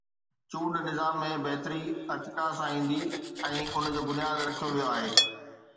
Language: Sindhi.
چونڊ نظام ۾ بهتري ارتقا سان ايندي ۽ ان جو بنياد رکيو ويو آهي.